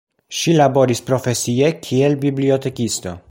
Ŝi laboris profesie kiel bibliotekisto.